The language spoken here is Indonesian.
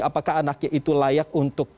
apakah anaknya itu layak untuk